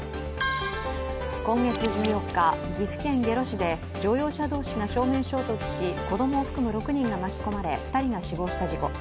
今月１４日、岐阜県下呂市で乗用車同士が正面衝突し子供を含む６人が巻き込まれ２人が死亡した事故。